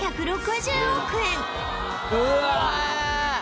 うわ